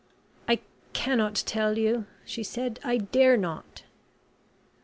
"I cannot tell you," she said, "I dare not."